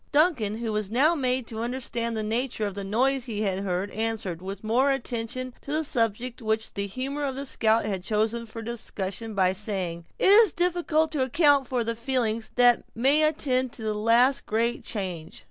Duncan, who was now made to understand the nature of the noise he had heard, answered, with more attention to the subject which the humor of the scout had chosen for discussion, by saying: "It is difficult to account for the feelings that may attend the last great change."